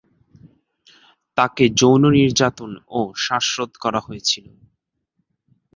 তাকে যৌন নির্যাতন ও শ্বাসরোধ করা হয়েছিল।